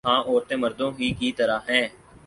ہاں عورتیں مردوں ہی کی طرح ہیں